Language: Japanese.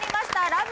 『ラブ！！